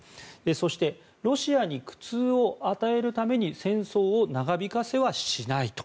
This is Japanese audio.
そして、ロシアに苦痛を与えるために戦争を長引かせはしないと。